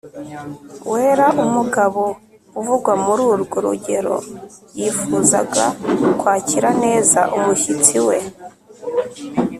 wera Umugabo uvugwa muri urwo rugero yifuzaga kwakira neza umushyitsi we